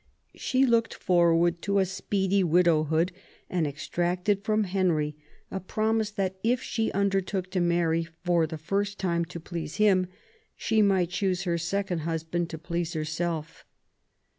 She looked forward to a speedy widowhood, and extracted from Henry a promise that, if she undertook to marry for the first time to please him, she might choose her second husband to please herself.